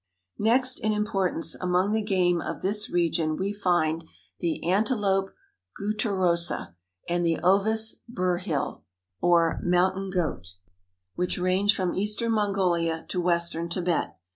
Next in importance among the game of this region we find the Antilope gutturosa and the Ovis burhil, or "mountain goat," which range from eastern Mongolia to western Tibet.